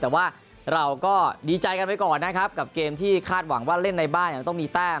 แต่ว่าเราก็ดีใจกันไปก่อนนะครับกับเกมที่คาดหวังว่าเล่นในบ้านยังต้องมีแต้ม